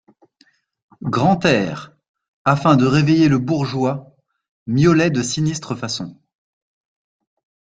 Grantaire, afin de réveiller le bourgeois, miaulait de sinistre façon.